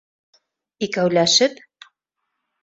Икәүләшеп?